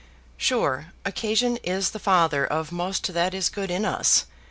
Sure, occasion is the father of most that is good in us.